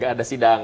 tidak ada sidang